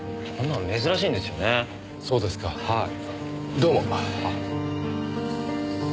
どうも。